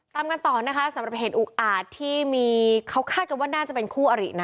ตามกันต่อนะคะสำหรับเหตุอุกอาจที่มีเขาคาดกันว่าน่าจะเป็นคู่อรินะ